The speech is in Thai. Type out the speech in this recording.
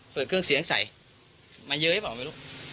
เปิดเครื่องเสียงใส่มาเยอะไหมลูก